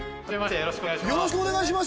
よろしくお願いします。